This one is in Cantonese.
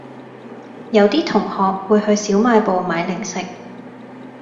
有啲同學會去小賣部買零食